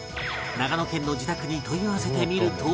長野県の自宅に問い合わせてみると